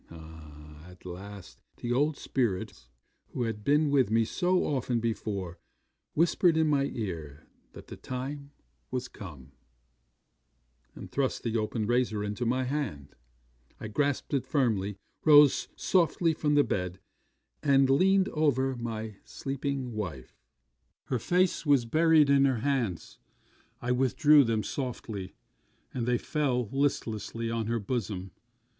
'At last the old spirits who had been with me so often before whispered in my ear that the time was come, and thrust the open razor into my hand. I grasped it firmly, rose softly from the bed, and leaned over my sleeping wife. Her face was buried in her hands. I withdrew them softly, and they fell listlessly on her bosom.